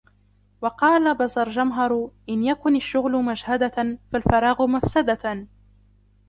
وَقَالَ بَزَرْجَمْهَرُ إنْ يَكُنْ الشُّغْلُ مَجْهَدَةً ، فَالْفَرَاغُ مَفْسَدَةٌ